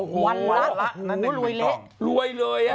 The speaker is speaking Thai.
โหวร้ายเลยอ่ะ